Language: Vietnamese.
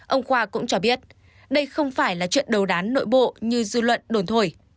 ông khoa cũng cho biết đây không phải là chuyện đấu đán nội bộ như dư luận đồn thôi